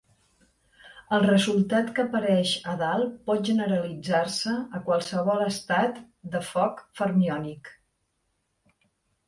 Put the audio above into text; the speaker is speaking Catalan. El resultat que apareix a dalt pot generalitzar-se a qualsevol estat de Fock fermiònic.